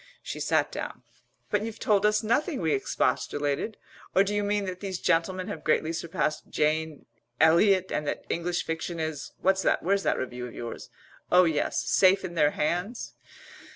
She sat down. "But you've told us nothing!" we expostulated. "Or do you mean that these gentlemen have greatly surpassed Jane Elliot and that English fiction is where's that review of yours? Oh, yes, 'safe in their hands.'"